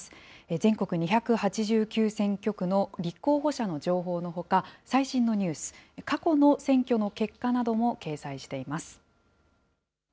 全国２８９選挙区の立候補者の情報のほか、最新のニュース、過去の選挙の結果なども掲載しています。